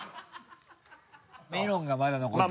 メロンがまだ残ってる。